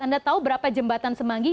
anda tahu berapa jembatan semanggi